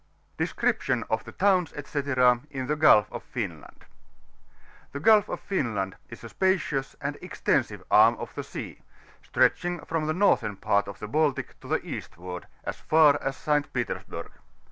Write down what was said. DESCRIPTION OP the TOWNS, &c., in the GULF OF FINLAND. OVLF or riKLANB is a spacious and extensive arm of the sea, stretch ing from the northern part of the Baltic to the eastward, as far as St. Petersburg.